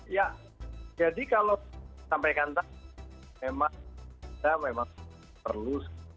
ya jadi kalau sampaikan tadi memang kita memang perlu